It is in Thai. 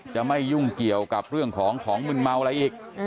ไม่ยุ่งเกี่ยวกับเรื่องของของมึนเมาอะไรอีก